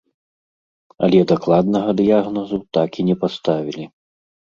Але дакладнага дыягназу так і не паставілі.